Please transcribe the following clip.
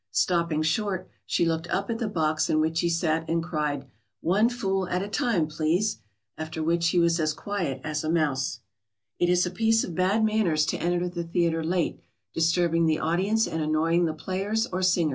Stopping short, she looked up at the box in which he sat, and cried: "One fool at a time, please," after which he was as quiet as a mouse. [Sidenote: Entering late.] It is a piece of bad manners to enter the theatre late, disturbing the audience and annoying the players or singers.